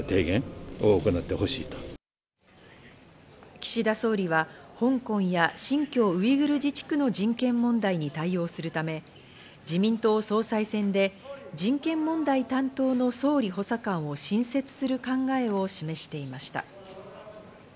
岸田総理は香港や新疆ウイグル自治区の人権問題に対応するため、自民党総裁選で人権問題担当の総理補佐官を新設する考えを示していました。